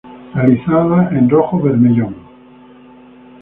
Realizada en rojo bermellón.